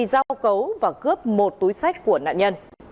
giao cấu và cướp một túi sách của nạn nhân